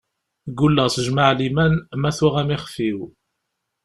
Gulleɣ s jmaɛliman ma tuɣ-m ixef-iw.